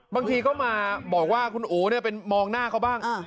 บางทีก็มาบอกว่าคุณโอเป็นมองหน้าเขาบ้าง